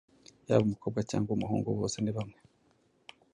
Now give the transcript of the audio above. Yaba umukobwa cyangwa umuhungu bose nibamwe,